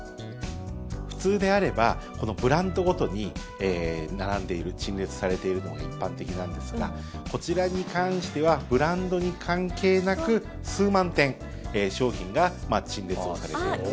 普通であればブランドごとに並んでいる陳列されているのが一般的なんですがこちらに関してはブランドに関係なく数万点商品が陳列されていると。